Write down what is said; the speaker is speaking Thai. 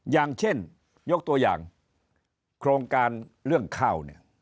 อย่างเช่นยกตัวอย่างโครงการเรื่องข้าวเนี่ย